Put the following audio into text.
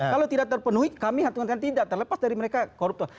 kalau tidak terpenuhi kami hantungkan tidak terlepas dari mereka koruptor